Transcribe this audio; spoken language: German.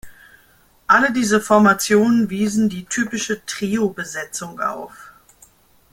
Alle diese Formationen wiesen die typische Trio-Besetzung auf.